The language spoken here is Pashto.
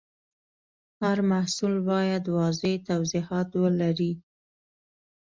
هر محصول باید واضح توضیحات ولري.